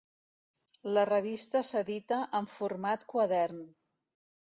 La revista s'edita amb format quadern.